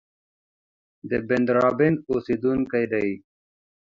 د بندرابن اوسېدونکی دی.